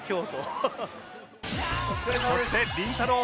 そしてりんたろー。